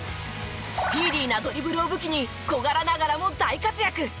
スピーディーなドリブルを武器に小柄ながらも大活躍。